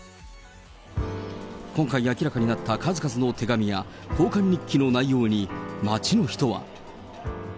今回明らかになった数々の手紙や、交換日記の内容に、街の人は。